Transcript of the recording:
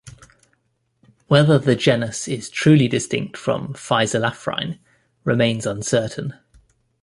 Whether the genus is truly distinct from "Phyzelaphryne" remains uncertain.